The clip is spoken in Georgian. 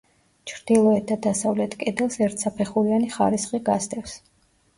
ჩრდილოეთ და დასავლეთ კედელს ერთსაფეხურიანი ხარისხი გასდევს.